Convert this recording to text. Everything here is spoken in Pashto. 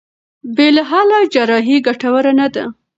بې له حل جراحي ګټوره نه ده.